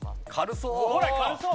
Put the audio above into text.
軽そう。